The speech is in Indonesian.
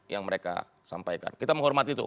yang mereka sampaikan kita menghormati itu